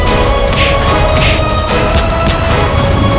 aku akan menangkapmu